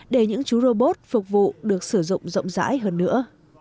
để những chú robot phục vụ được sử dụng rộng rãi hơn nữa